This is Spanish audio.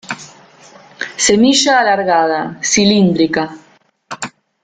Semilla alargada, cilíndrica.